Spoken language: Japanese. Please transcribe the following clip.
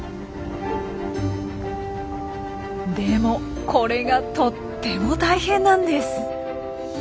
でもこれがとっても大変なんです。